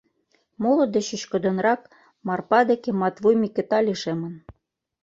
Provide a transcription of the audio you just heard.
Моло деч чӱчкыдынрак Марпа деке Матвуй Микыта лишемын.